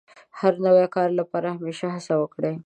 د هر نوي کار لپاره همېشه هڅه وکړئ.